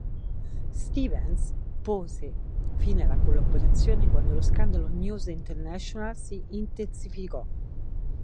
Stevens pose fine alla collaborazione quando lo scandalo News International si intensificò.